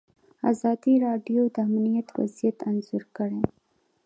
ازادي راډیو د امنیت وضعیت انځور کړی.